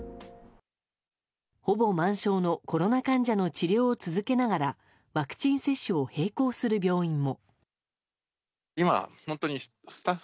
ほぼ満床のコロナ患者の治療を続けながらワクチン接種を並行する病院も。